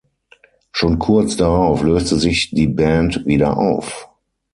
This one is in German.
Schon kurz darauf löste sich die Band wieder auf.